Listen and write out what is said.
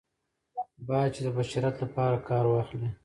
باید چې د بشریت لپاره کار واخلي.